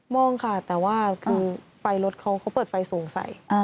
มองค่ะแต่ว่าคือไฟรถเขาเขาเปิดไฟสูงใส